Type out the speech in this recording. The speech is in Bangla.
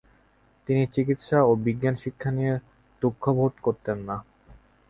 তিনি চিকিৎসা ও বিজ্ঞান শিক্ষা নিয়ে দুঃখবোধ করতেন না।